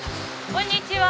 こんにちは。